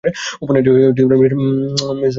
উপন্যাসটি মিশ্র প্রতিক্রিয়া লাভ করে।